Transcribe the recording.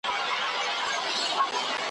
په ګاونډ کي توتکۍ ورته ویله `